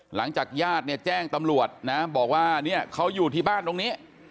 หลังจากญาติเนี่ยแจ้งตำรวจนะบอกว่าเนี่ยเขาอยู่ที่บ้านตรงนี้